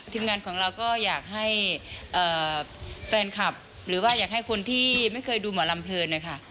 ทีมงานของเราก็อยากให้แฟนคลับหรือว่าอยากให้คนที่ไม่เคยดูหมอลำเพลินนะคะ